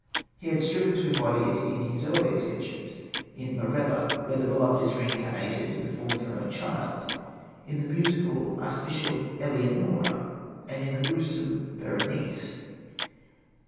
He had striven to embody it in his earlier sketches, in Morella, where the beloved is reincarnated in the form of her own child, in the musical, artificial Eleonora and in the gruesome Berenice.